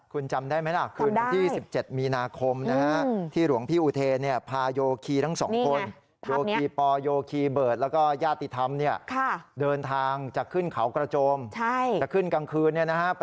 คุณจำได้ไหมครับคืนนี้วันที่๑๗มีนาคมที่หลวงพี่อุเทพาโยคีทั้งสองคน